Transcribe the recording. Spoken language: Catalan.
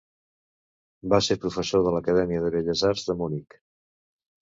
Va ser professor de l'Acadèmia de Belles Arts de Munic.